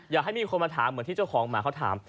อยากให้มีคนมาถามเหมือนที่เจ้าของหมาเขาถาม